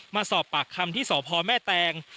มาสอบปากคำที่สพแม่แตง